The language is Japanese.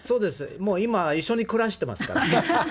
もう今、一緒に暮らしてますから。